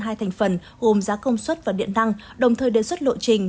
hai thành phần gồm giá công suất và điện năng đồng thời đề xuất lộ trình